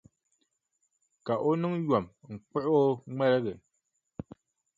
Ka o niŋ yom n-kpuɣi o ŋmaligi.